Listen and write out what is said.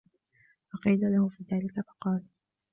فَقِيلَ لَهُ فِي ذَلِكَ فَقَالَ